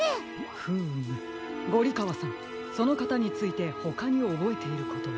フームゴリかわさんそのかたについてほかにおぼえていることは？